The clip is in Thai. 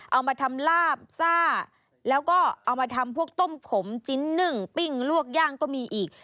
เอามาทำลาบซ่าแล้วก็เอามาทำพวกต้มขมจิ้นนึ่งปิ้งลวกย่างก็มีอีก